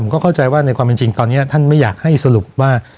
ก็เข้าใจว่าในความเป็นจริงตอนนี้ท่านไม่อยากให้สรุปว่า